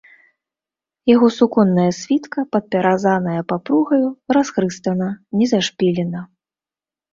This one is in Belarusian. Яго суконная світка, падпяразаная папругаю, расхрыстана, не зашпілена.